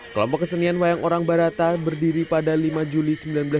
kelompok kesenian wayang orang barata berdiri pada lima juli seribu sembilan ratus enam puluh